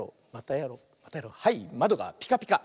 はいまどがピカピカ。